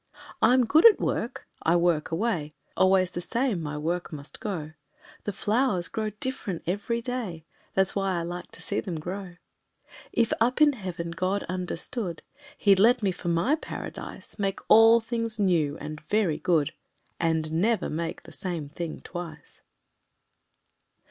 I'm good at work I work away; Always the same my work must go; The flowers grow different every day, That's why I like to see them grow. If, up in Heaven, God understood He'd let me for my Paradise Make all things new and very good And never make the same thing twice!